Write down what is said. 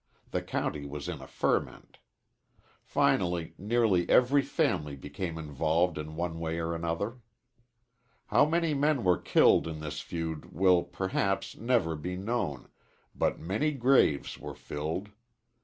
The county was in a ferment. Finally, nearly every family became involved in one way or another. How many men were killed in this feud will, perhaps, never be known, but many graves were filled.